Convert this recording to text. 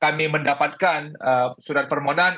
kami mendapatkan surat permohonan